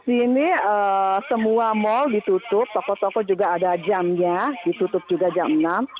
sini semua mal ditutup toko toko juga ada jamnya ditutup juga jam enam